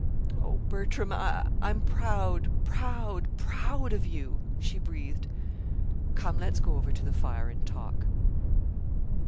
"Oh, Bertram, I'm proud, proud, proud of you!" she breathed. "Come, let's go over to the fire and talk!"